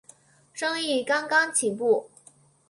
生意刚刚起步